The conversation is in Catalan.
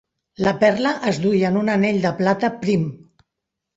La perla es duia en un anell de plata prim.